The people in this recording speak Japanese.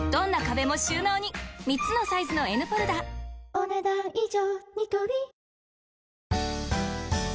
お、ねだん以上。